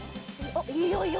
いいよいいよ！